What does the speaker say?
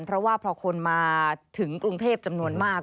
เพราะว่าพอคนมาถึงกรุงเทพจำนวนมาก